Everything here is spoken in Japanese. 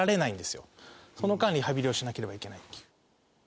その間リハビリをしなければいけないっていう。